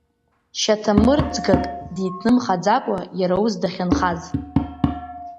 Шьаҭамырӡгак диҭнымхаӡакәа, иара ус дахьынхаз.